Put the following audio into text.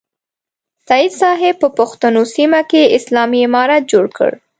سید صاحب په پښتنو سیمه کې اسلامي امارت جوړ کړ.